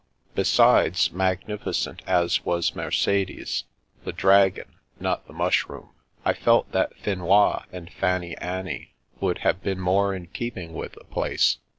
Besides, mag nificent as was Mercedes (the Dragon, not the Mushroom) I felt that Finois and Fanny anny would have been more in keeping with the place.